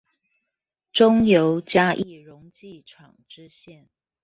中油嘉義溶劑廠支線